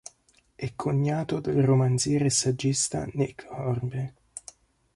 È cognato del romanziere e saggista Nick Hornby.